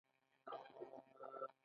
څوک چې صادق مینه لري، تل خوشحال وي.